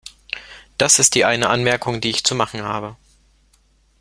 Das ist die eine Anmerkung, die ich zu machen habe.